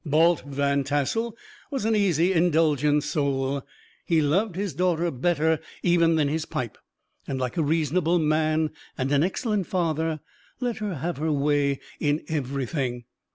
Balt Van Tassel was an easy indulgent soul; he loved his daughter better even than his pipe, and like a reasonable man, and an excellent father, let her have her way in everything.